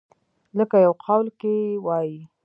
لکه يو قول کښې وائي ۔